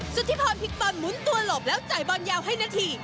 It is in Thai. สุธิพรพลิกบอลหมุนตัวหลบแล้วจ่ายบอลยาวให้นาที